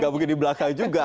gak mungkin di belakang juga